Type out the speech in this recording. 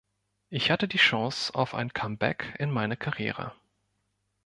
Ich hatte die Chance auf ein Comeback in meiner Karriere.